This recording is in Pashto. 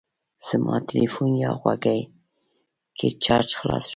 زما تلیفون یا غوږۍ کې چارج خلاص شو.